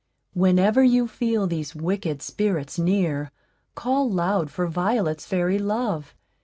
Whenever you feel these wicked spirits near, call loud for Violet's fairy, Love.